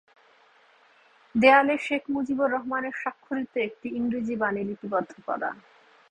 দেয়ালে শেখ মুজিবুর রহমানের স্বাক্ষরিত একটি ইংরেজি বাণী লিপিবদ্ধ করা।